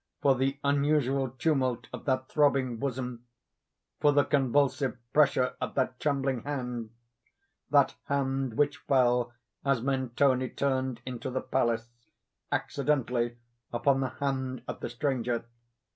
—for the unusual tumult of that throbbing bosom?—for the convulsive pressure of that trembling hand?—that hand which fell, as Mentoni turned into the palace, accidentally, upon the hand of the stranger.